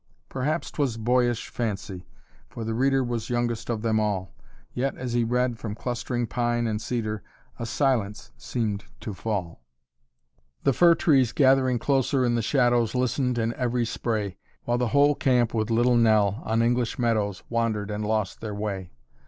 Perhaps 'twas boyish fancy, for the reader Was youngest of them all, Yet, as he read, from clustering pine and cedar A silence seemed to fall. The fir trees gathering closer in the shadows Listened in every spray, While the whole camp with little Nell, on English meadows, Wandered and lost their way.